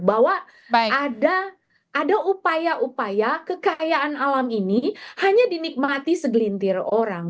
bahwa ada upaya upaya kekayaan alam ini hanya dinikmati segelintir orang